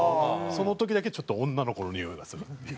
その時だけちょっと女の子のにおいがするっていう。